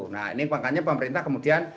nah ini makanya pemerintah kemudian